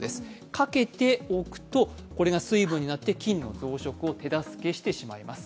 かけておくとこれが水分になって菌の増殖を手助けしてしまいます。